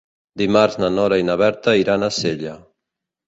Dimarts na Nora i na Berta iran a Sella.